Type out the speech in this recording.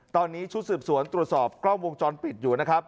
ตอนนี้ชุดสืบสวนตรวจสอบกล้องวงจรปิดอยู่นะครับ